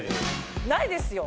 ないですよ。